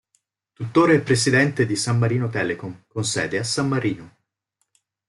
Tuttora è presidente di San Marino Telecom con sede a San Marino.